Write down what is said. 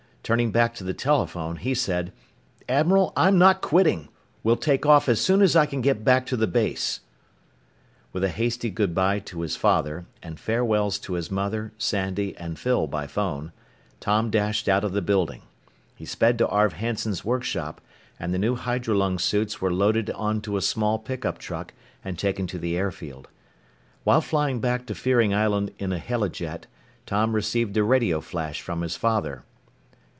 Turning back to the telephone, he said, "Admiral, I'm not quitting. We'll take off as soon as I can get back to the base!" With a hasty good by to his father, and farewells to his mother, Sandy, and Phyl by phone, Tom dashed out of the building. He sped to Arv Hanson's workshop, and the new hydrolung suits were loaded onto a small pickup truck and taken to the airfield. While flying back to Fearing Island in a helijet, Tom received a radio flash from his father.